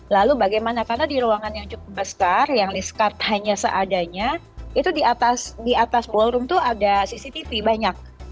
lalu bagaimana karena di ruangan yang cukup besar yang liscard hanya seadanya itu di atas ballroom itu ada cctv banyak